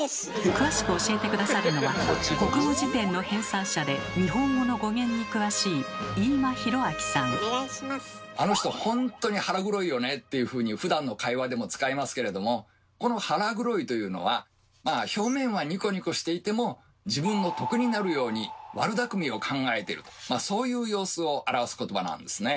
詳しく教えて下さるのは国語辞典の編纂者で日本語の語源に詳しいっていうふうにふだんの会話でも使いますけれどもこの「腹黒い」というのは「表面はニコニコしていても自分の得になるように悪だくみを考えてる」とそういう様子を表すことばなんですね。